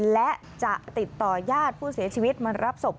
และจะติดต่อญาติผู้เสียชีวิตมารับศพ